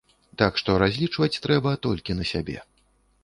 Так што разлічваць трэба толькі на сябе.